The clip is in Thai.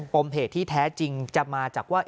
มเหตุที่แท้จริงจะมาจากว่า